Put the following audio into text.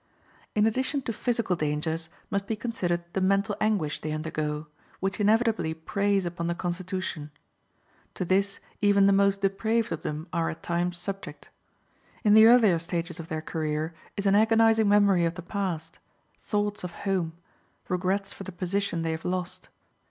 In addition to physical dangers must be considered the mental anguish they undergo, which inevitably preys upon the constitution. To this even the most depraved of them are at times subject. In the earlier stages of their career is an agonizing memory of the past; thoughts of home; regrets for the position they have lost.